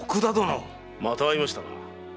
また会いましたな。